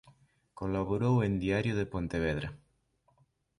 Colaborou en "Diario de Pontevedra".